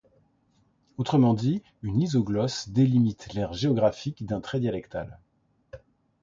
Autrement dit, une isoglosse délimite l'aire géographique d'un trait dialectal.